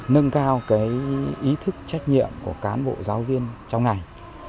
nâng cao ý thức trách nhiệm của cán bộ giáo viên trong ngành